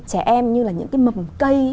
trẻ em như là những cái mầm cây